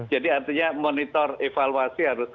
jadi artinya monitor evaluasi harus